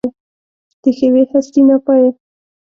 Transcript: د ښېوې هستي ناپایه